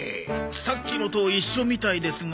さっきのと一緒みたいですが。